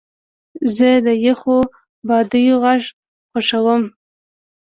زه د یخو بادیو غږ خوښوم.